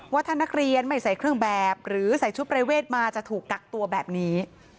ว่าถ้านักเรียนไม่ใส่เครื่องแบบหรือใส่ชุดประเวทมาจะถูกกักตัวแบบนี้